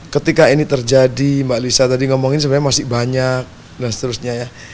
ketika ini terjadi mbak lisa tadi ngomongin sebenarnya masih banyak dan seterusnya ya